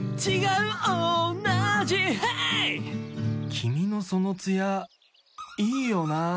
君のそのツヤいいよな。